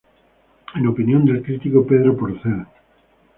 En opinión del crítico Pedro Porcel